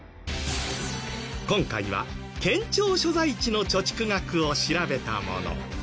今回は県庁所在地の貯蓄額を調べたもの。